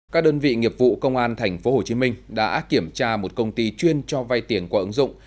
các đơn vị nghiệp vụ công an tp hcm đã kiểm tra một công ty chuyên cho vay tiền qua ứng dụng